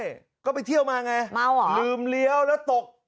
ใช่ก็ไปเที่ยวมาไงเมาเหรอลืมเลี้ยวแล้วตก